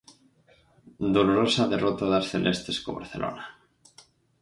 Dolorosa derrota das celestes co Barcelona.